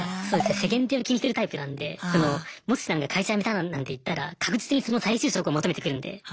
世間体を気にするタイプなんでもしなんか会社辞めたなんて言ったら確実にその再就職を求めてくるんで。